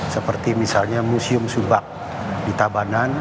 seperti misalnya museum subak di tabanan